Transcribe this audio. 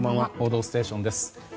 「報道ステーション」です。